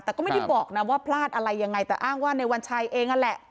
แต่ก็ไม่ได้บอกนะว่าพลาดอะไรยังไงแต่อ้างว่าในวันชัยเองนั่นแหละ